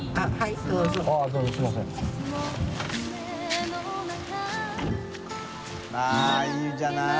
◆舛いいじゃない。